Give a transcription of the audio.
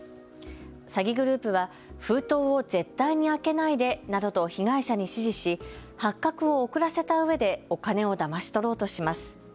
詐欺グループは封筒を絶対に開けないでなどと被害者に指示し発覚を遅らせたうえでお金をだまし取ろうとします。